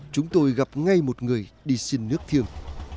chúng tôi gặp ngay một người đi xin nước thiêng